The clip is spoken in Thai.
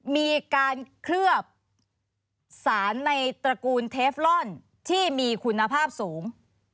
มีการเคลือบสารในตระกูลเทฟลอนที่มีคุณภาพสูง